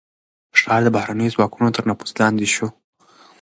ښار د بهرنيو ځواکونو تر نفوذ لاندې شو.